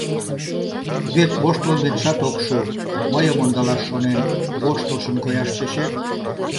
— Вет воштылметшат ок шу, мыйым ондалаш шонен, воштылшын кояш тӧчет.